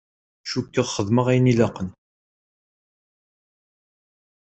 Cukkeɣ xedmeɣ ayen ilaqen.